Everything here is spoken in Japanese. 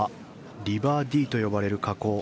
リバー・ディーと呼ばれる河口。